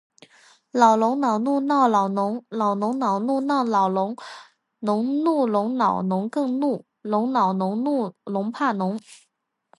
老龙恼怒闹老农，老农恼怒闹老龙。农怒龙恼农更怒，龙恼农怒龙怕农。